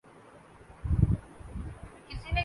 اور وہ کیا محرکات تھے